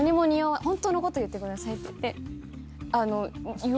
本当のこと言ってくださいって言って。